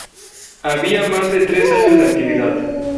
Había más de tres años de actividad.